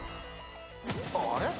あれ？